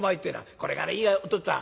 「これがねいいよお父っつぁん。